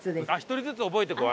１人ずつ覚えていこう。